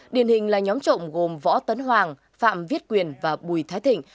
điển hình là nhóm trộm gồm võ tấn hoàng phạm viết quyền và bùi thái thịnh